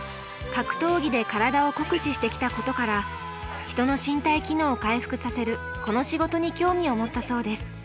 格闘技で体を酷使してきたことから人の身体機能を回復させるこの仕事に興味を持ったそうです。